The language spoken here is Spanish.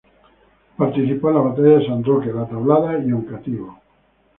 Participó en las batallas de San Roque, La Tablada y Oncativo.